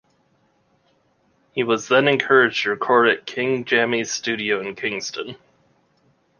He was then encouraged to record at King Jammy's studio in Kingston.